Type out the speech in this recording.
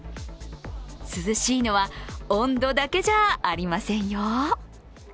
涼しいのは、温度だけじゃありませんよ。